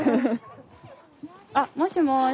あっもしもし。